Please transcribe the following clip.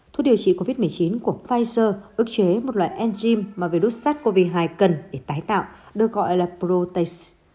thuốc điều trị covid một mươi chín của pfizer ước chế một loại enzyme mà virus sars cov hai cần để tái tạo đưa gọi là protease